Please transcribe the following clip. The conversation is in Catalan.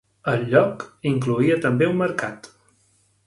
El lloc incloïa també un mercat.